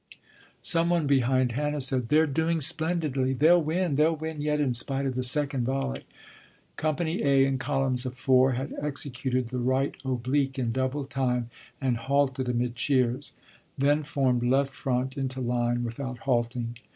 Someone behind Hannah said, "They are doing splendidly, they'll win, they'll win yet in spite of the second volley." Company "A," in columns of four, had executed the right oblique in double time, and halted amid cheers; then formed left front into line without halting.